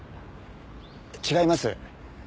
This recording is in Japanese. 違います。